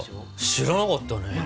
知らなかったね。